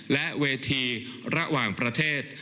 และเวทีระหว่างประเทศ